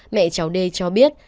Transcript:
mẹ cháu d cho biết